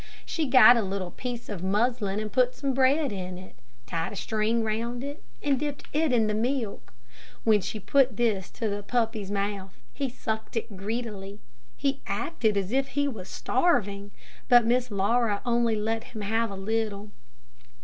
She got a little piece of muslin put some bread in it, tied a string round it, and dipped it in the milk. When she put this to the puppy's mouth, he sucked it greedily. He acted as if he was starving, but Miss Laura only let him have a little.